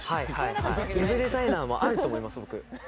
ウェブデザイナーもあると思います。